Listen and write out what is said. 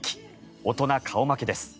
大人顔負けです。